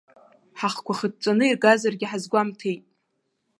Ҳахқәа хыҵәҵәаны иргазаргьы ҳазгәамҭеит!